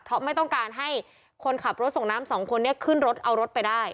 เพราะไม่ต้องการให้คนขับรถส่งน้ำสองคนนี้ขึ้นรถเอารถไปได้